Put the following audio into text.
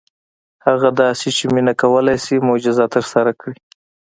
هغه داسې چې مينه کولی شي معجزه ترسره کړي.